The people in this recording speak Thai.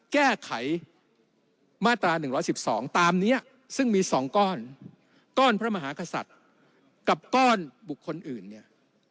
แก้ไขมาตรา๑๑๒ตามนี้ซึ่งมี๒ก้อนก้อนพระมหากษัตริย์กับก้อนบุคคลอื่นเนี่ย